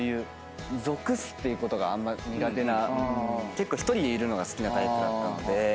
結構１人でいるのが好きなタイプだったので。